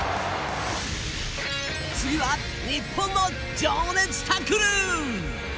次は、日本の情熱タックル。